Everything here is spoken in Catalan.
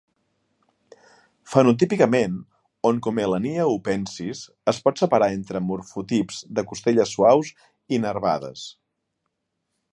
Fenotipicament, "Oncomelania hupensis" es pot separar entre morfotips de costelles suaus i nervades.